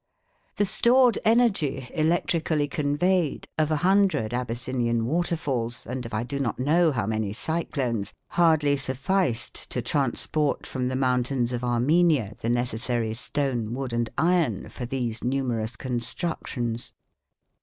The stored energy, electrically conveyed, of a hundred Abyssinian waterfalls, and of, I do not know, how many cyclones, hardly sufficed to transport from the mountains of Armenia the necessary stone, wood and iron for these numerous constructions.